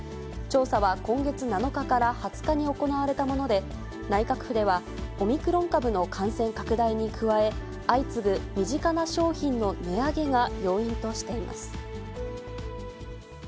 調査は今月７日から２０日に行われたもので、内閣府ではオミクロン株の感染拡大に加え、相次ぐ身近な商品の値上げが要因としています。